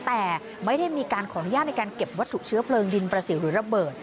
แต่ไม่ได้มีการขออนุญาตในการเก็บวัตถุเชื้อเพลิงดินประสิวหรือระเบิด